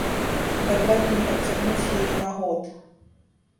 Дакладней, адцягнуць яе на год.